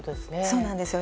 そうなんです。